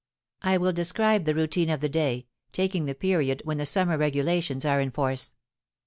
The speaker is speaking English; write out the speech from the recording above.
I will describe the routine of the day—taking the period when the summer regulations are in force.